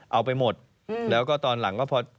เอาไปหมดแล้วก็ตอนหลังก็พอ